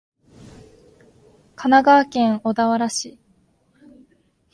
神奈川県小田原市